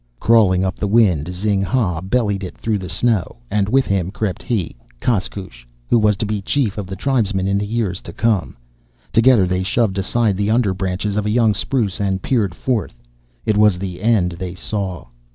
Crawling up the wind, Zing ha bellied it through the snow, and with him crept he, Koskoosh, who was to be chief of the tribesmen in the years to come. Together they shoved aside the under branches of a young spruce and peered forth. It was the end they saw.